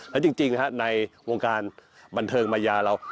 และจริงในวงการบันเทิงมายาเรา